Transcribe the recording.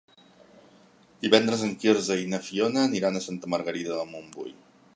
Divendres en Quirze i na Fiona aniran a Santa Margarida de Montbui.